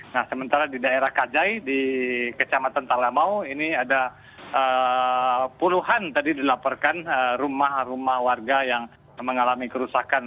nah sementara di daerah kajai di kecamatan talamau ini ada puluhan tadi dilaporkan rumah rumah warga yang mengalami kerusakan